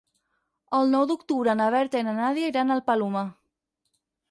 El nou d'octubre na Berta i na Nàdia iran al Palomar.